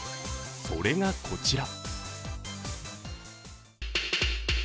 それがこちら。